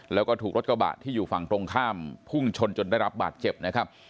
แล้วก็ถูกรถกระบะที่อยู่ฝั่งตรงข้ามพุ่งชนจนได้รับบาดเจ็บนะครับ